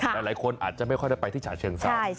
หลายคนอาจจะไม่ค่อยได้ไปที่ฉะเชิงเศร้า